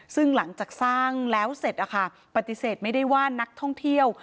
ซึ่งหลังจากสร้างแล้วเสร็จปฏิเสธไม่ได้ว่านักท่องเที่ยว